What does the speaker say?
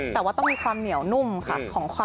แต่ว่าต้องมีความเหนียวนุ่มค่ะ